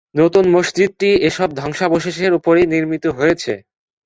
নতুন মসজিদটি এসব ধ্বংসাবশেষের উপরই নির্মিত হয়েছে।